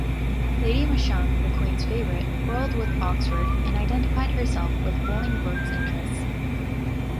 Lady Masham, the queen's favourite, quarrelled with Oxford and identified herself with Bolingbroke's interests.